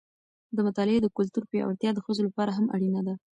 د مطالعې د کلتور پیاوړتیا د ښځو لپاره هم اړینه ده.